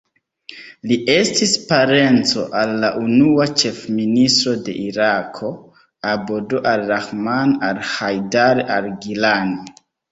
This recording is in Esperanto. Li estis parenco al la unua ĉefministro de Irako, Abd ar-Rahman al-Hajdari al-Gillani.